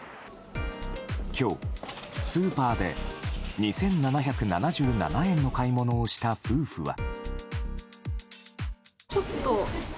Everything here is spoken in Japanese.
今日、スーパーで２７７７円の買い物をした夫婦は。